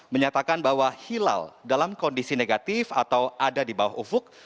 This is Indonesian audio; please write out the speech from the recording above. menyatakan bahwa hilal dalam kondisi negatif atau ada di bawah ufuk